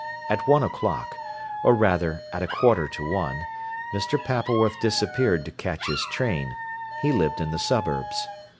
At one o'clock, or, rather, at a quarter to one, Mr. Pappleworth disappeared to catch his train: he lived in the suburbs.